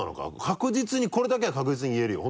確実にこれだけは確実に言えるよ。